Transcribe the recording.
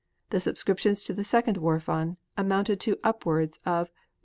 The subscriptions to the second war fund amounted to upward of $176,000,000.